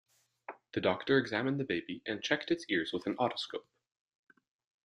The doctor examined the baby and checked its ears with an otoscope.